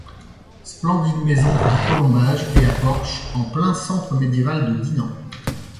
Splendide maison à colombages et à porche, en plein centre médiéval de Dinan.